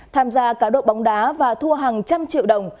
tham gia cá độ bóng đá và thua hàng trăm triệu đồng